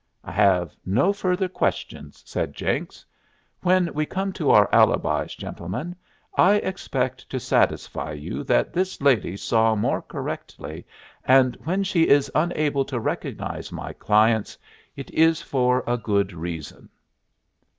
"I have no further questions," said Jenks. "When we come to our alibis, gentlemen, I expect to satisfy you that this lady saw more correctly, and when she is unable to recognize my clients it is for a good reason."